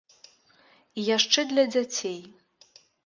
І яшчэ для дзяцей.